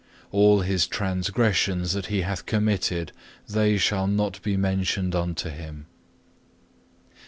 All his transgressions that he hath committed, they shall not be mentioned unto him.